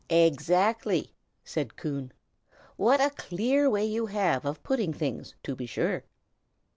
"Exactly!" said Coon. "What a clear way you have of putting things, to be sure!"